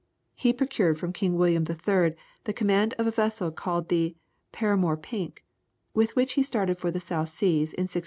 He procured from King William III. the command of a vessel called the "Paramour Pink," with which he started for the South Seas in 1694.